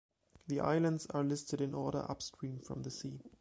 The islands are listed in order upstream from the sea.